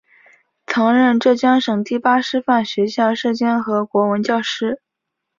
曾任浙江省第八师范学校舍监和国文教师。